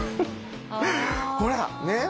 ほらねっ。